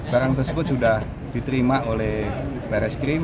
barang tersebut sudah diterima oleh barai skrim